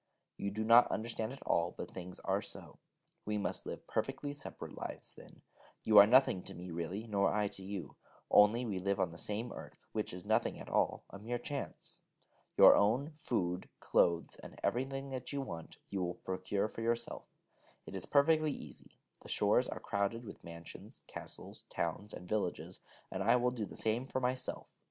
You do not understand at all but things are so. We must live perfectly separate lives, then. You are nothing to me, really, nor I to you, only we live on the same earth, which is nothing at all a mere chance. Your own food, clothes, and everything that you want, you will procure for yourself: it is perfectly easy: the shores are crowded with mansions, castles, towns and villages; and I will do the same for myself.